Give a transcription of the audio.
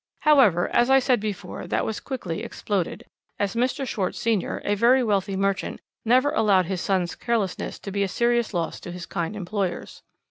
"However, as I said before, that was very quickly exploded, as Mr. Schwarz senior, a very wealthy merchant, never allowed his son's carelessness to be a serious loss to his kind employers.